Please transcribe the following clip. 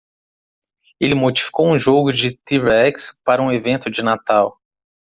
Ele modificou um jogo de t-rex para um evento de Natal.